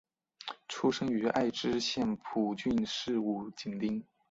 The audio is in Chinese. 出身于爱知县蒲郡市五井町。